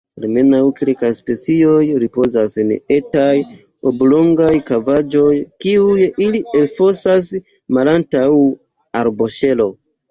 Almenaŭ kelkaj specioj ripozas en etaj oblongaj kavaĵoj kiujn ili elfosas malantaŭ arboŝelo.